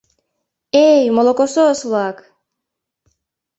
— Эй, молокосос-влак!